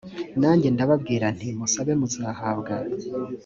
nanjye ndababwira nti musabe muzahabwa